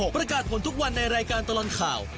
ประกาศผลทุกวันในรายการตลอดข่าว